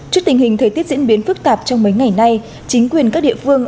trước tình hình thời tiết diễn biến phức tạp trong mấy ngày nay chính quyền các địa phương